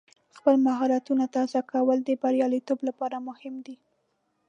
خپل مهارتونه تازه کول د بریالیتوب لپاره مهم دی.